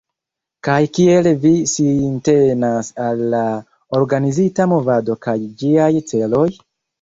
Kaj kiel vi sintenas al la organizita movado kaj ĝiaj celoj?